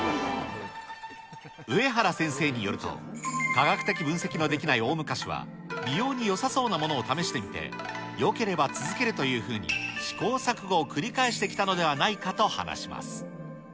上原先生によると、科学的分析のできない大昔は、美容によさそうなものを試してみて、よければ続けるというふうに、試行錯誤を繰り返してきたのではないかと話します。